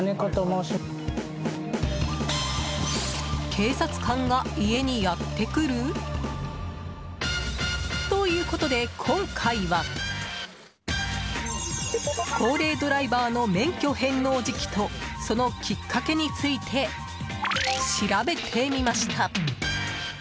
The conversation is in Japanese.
警察官が家にやってくる？ということで今回は高齢ドライバーの免許返納時期とそのきっかけについて調べてみました。